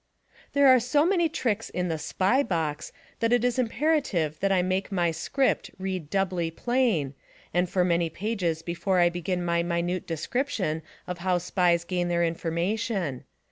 There are so many tricks in the "SPY BOX" that it is imperative that I make my "script" read doubly plain, and for many pages before I begin my minute description oi how Spies gain their information.